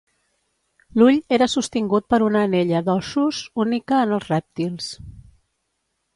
L'ull era sostingut per una anella d'ossos única en els rèptils.